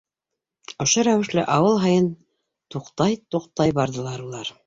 Ошо рәүешле ауыл һайын туҡтай- туҡтай барҙылар улар.